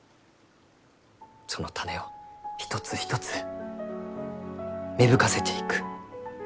その種を一つ一つ芽吹かせていく。